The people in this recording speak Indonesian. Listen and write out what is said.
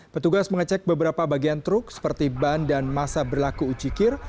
petugas mengecek beberapa bagian truk seperti ban dan masa berlaku ujikir